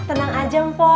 tenang aja mpo